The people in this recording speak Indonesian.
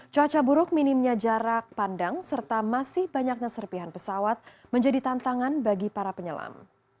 cuaca buruk minimnya jarak pandang serta masih banyaknya serpihan pesawat menjadi tantangan bagi para penyelam